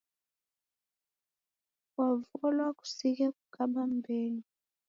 Kwavolwa kusighe kukaba m'mbenyu.